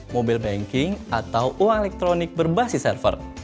mobil banking atau uang elektronik berbasis server